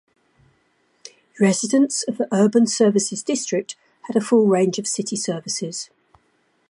Residents of the Urban Services District had a full range of city services.